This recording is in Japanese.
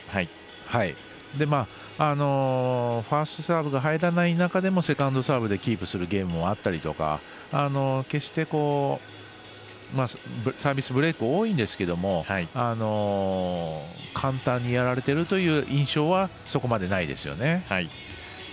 ファーストサーブが入らない中でもセカンドサーブでキープするゲームもあったりとか決して、サービスブレークが多いんですけれども簡単にやられてるという印象はそこまでないですよね。